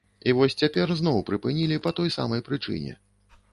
І вось цяпер зноў прыпынілі па той самай прычыне.